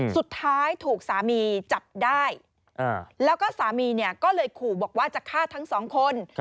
สุดท้ายถูกสามีจับได้แล้วก็สามีก็หงวงจะฆ่าทั้งสองคน